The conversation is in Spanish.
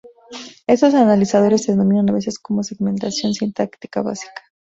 Estos analizadores se denominan a veces como "segmentación sintáctica básica".